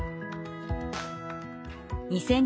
２，０００